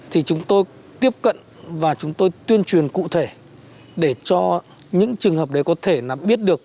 thì chúng tôi tiếp cận và chúng tôi tuyên truyền cụ thể để cho những trường hợp đấy có thể biết được